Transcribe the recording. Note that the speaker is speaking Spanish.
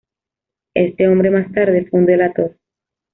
Este hombre, más tarde, fue un delator.